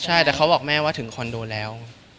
ใช่แต่เขาบอกแม่ว่าถึงคอนโดแล้ว